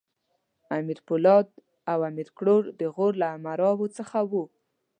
امیر پولاد او امیر کروړ د غور له امراوو څخه وو.